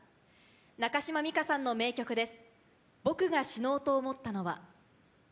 中島美嘉さんの名曲です。